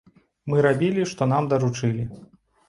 Мы рабілі, што нам даручылі.